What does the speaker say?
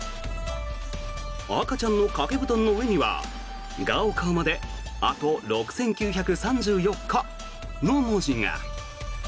赤ちゃんの掛け布団の上には高考まであと６９３４日の文字が。